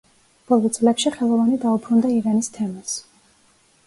ბოლო წლებში ხელოვანი დაუბრუნდა ირანის თემას.